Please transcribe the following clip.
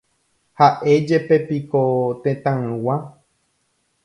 Háʼéjepepiko tetãygua.